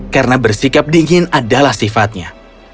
karena bersikap dingin adalah sifatnya